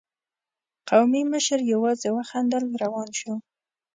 قومي مشر يواځې وخندل، روان شو.